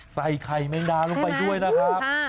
ใส่ไข่แมงดาลงไปด้วยนะครับ